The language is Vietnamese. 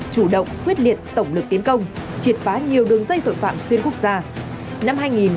chủ động quyết liệt tổng lực tiến công triệt phá nhiều đường dây tội phạm xuyên quốc gia